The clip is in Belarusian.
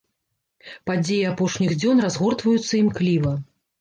Падзеі апошніх дзён разгортваюцца імкліва.